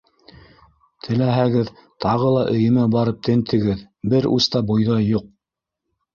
Теләһәгеҙ, тағы ла өйөмә барып тентегеҙ, бер ус та бойҙай юҡ.